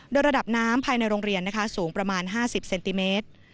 โดยระดับน้ำภายในโรงเรียนสูงประมาณ๕๐เซนติเมตร